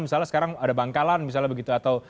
misalnya sekarang ada bangkalan misalnya begitu atau